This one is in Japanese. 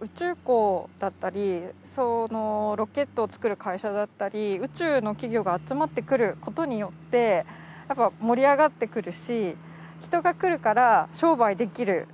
宇宙港だったり、そのロケットを作る会社だったり、宇宙の企業が集まってくることによって、盛り上がってくるし、人が来るから商売できる。